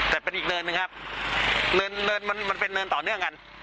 แต่เป็นอีกเนินหนึ่งครับเนินมันเป็นเนินต่อเนื่องกัน